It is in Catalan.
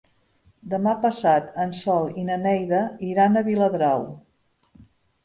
Demà passat en Sol i na Neida iran a Viladrau.